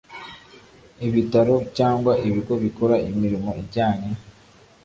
Ibitaro cyangwa ibigo bikora imirimo ijyanye